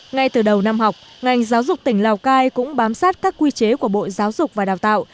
ngay từ đầu năm học ngành giáo dục tỉnh lào cai cũng bám sát các quy chế của bộ giáo dục và đào tạo